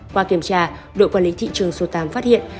qua kiểm tra đội quản lý thị trường số tám phát hiện